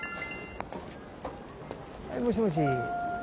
はいもしもし。